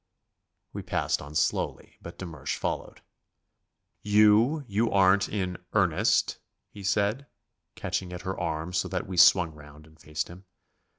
We passed on slowly, but de Mersch followed. "You you aren't in earnest?" he said, catching at her arm so that we swung round and faced him.